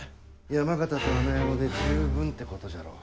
山県と穴山で十分ってことじゃろう。